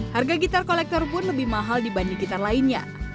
harga gitar kolektor pun lebih mahal dibanding gitar lainnya